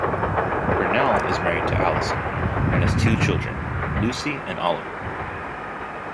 Purnell is married to Alison and has two children, Lucy and Oliver.